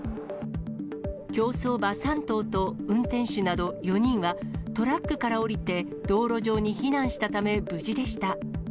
競走馬３頭と運転手など４人は、トラックから降りて道路上に避難したため、無事でした。